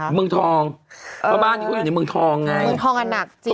เมืองทองอันหนักเมืองทองอันหนักจริง